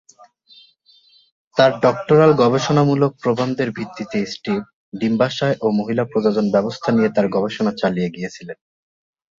তাঁর ডক্টরাল গবেষণামূলক প্রবন্ধের ভিত্তিতে স্টিভ ডিম্বাশয় ও মহিলা প্রজনন ব্যবস্থা নিয়ে তাঁর গবেষণা চালিয়ে গিয়েছিলেন।